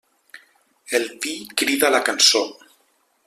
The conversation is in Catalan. El vi crida la cançó.